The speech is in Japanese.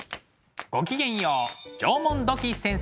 ごきげんよう縄文土器先生です。